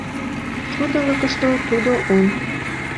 Шудылыкышто тудо он: